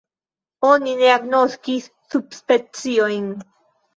Oni ne agnoskis subspeciojn.